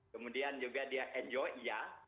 kemudian juga dia enjoy iya